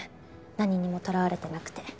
何にもとらわれてなくて。